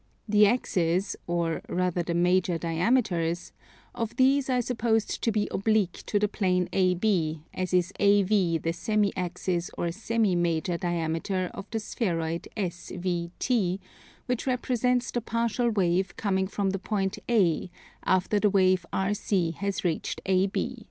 The axes (or rather the major diameters) of these I supposed to be oblique to the plane AB, as is AV the semi axis or semi major diameter of the spheroid SVT, which represents the partial wave coming from the point A, after the wave RC has reached AB.